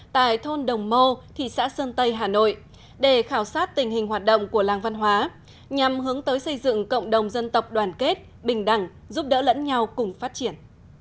tại thôn đồng mô thị xã sơn tây hà nội để khảo sát tình hình hoạt động của làng văn hóa nhằm hướng tới xây dựng cộng đồng dân tộc đoàn kết bình đẳng giúp đỡ lẫn nhau cùng phát triển